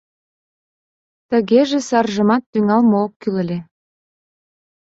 Тыгеже саржымат тӱҥалме ок кӱл ыле!